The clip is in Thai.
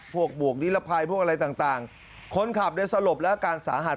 พวกบวกนิรภัยพวกอะไรต่างคนขับในสลบและอาการสาหัส